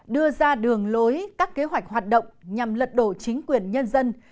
đưa ra đường lối các kế hoạch hoạt động nhằm lật đổ chính quyền nhân dân